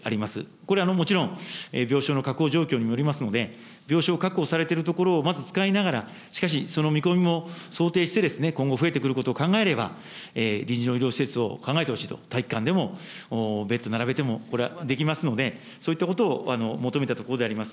これ、もちろん病床の確保状況にもよりますので、病床確保されている所をまず使いながら、しかし、その見込みも想定して、今後増えてくることを考えれば、臨時の医療施設を考えてほしいと、体育館でもベッド並べてもこれはできますので、そういったことを求めたところであります。